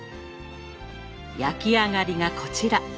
焼き上がりがこちら。